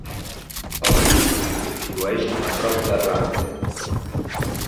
El riu Spring flueix a prop de Ravenden.